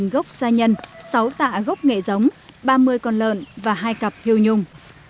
hai gốc xa nhân sáu tạ gốc nghệ giống ba mươi con lợn và hai cặp hiêu nhung